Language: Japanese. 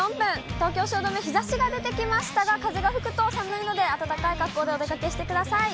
東京・汐留、日ざしが出てきましたが、風が吹くと寒いので、暖かい格好でお出かけしてください。